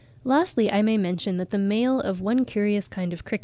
Lastly, I may mention that the male of one curious kind of cricket (48.